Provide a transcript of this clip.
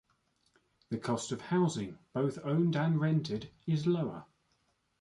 The cost of housing, both owned and rented, is lower.